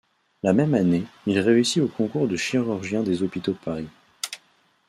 La même année, il réussit au concours de chirurgien des hôpitaux de Paris.